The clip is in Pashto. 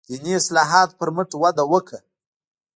دیني اصلاحاتو پر مټ وده وکړه.